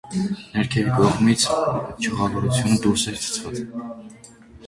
Ներքևի կողմից ջղավորությունը դուրս է ցցված։